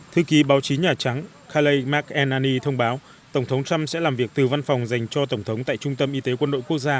thư ký báo chí nhà trắng khaled mark elani thông báo tổng thống trump sẽ làm việc từ văn phòng dành cho tổng thống tại trung tâm y tế quân đội quốc gia